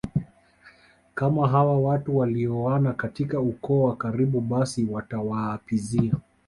kama hawa watu walioana katika ukoo wa karibu basi watawaapizia